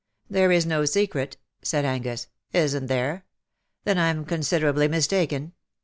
^' There is no secret/^ said Angus. '' Isn^t there ? Then Fm considerably mistaken.